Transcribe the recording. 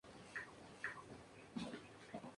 El sistema de frenado era de Brembo.